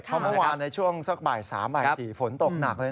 เขามาวานในช่วงสักบ่าย๓๔ฝนตกหนักเลยนะ